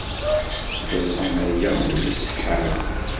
Teẓram aya ur iṣeḥḥa ara.